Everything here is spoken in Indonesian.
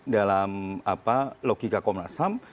dalam logika komnas ham